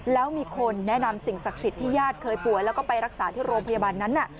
แล้วมีคนแนะนำสิ่งศักดิ์สิทธิ์ที่ญาติเคยป่วยแล้วก็ไปรักษาที่โรงพยาบาลนั้น